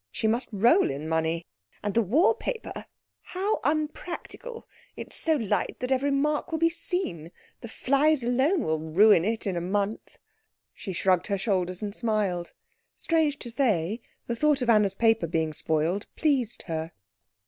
"She must roll in money. And the wall paper how unpractical! It is so light that every mark will be seen. The flies alone will ruin it in a month." She shrugged her shoulders, and smiled; strange to say, the thought of Anna's paper being spoiled pleased her.